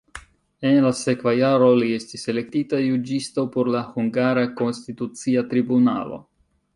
En la sekva jaro li estis elektita juĝisto por la hungara konstitucia tribunalo.